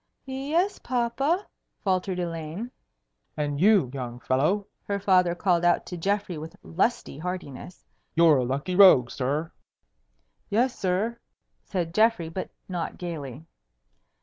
"Y yes, papa," faltered Elaine. "And you, young fellow!" her father called out to Geoffrey with lusty heartiness. "You're a lucky rogue, sir." "Yes, sir," said Geoffrey, but not gayly.